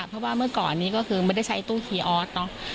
เพราะว่าเมื่อก่อนนี้ก็คือไม่ได้ใช้ตู้คีย์ออสเนอะ